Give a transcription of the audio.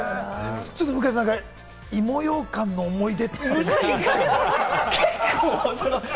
向井さんから芋ようかんの思い出。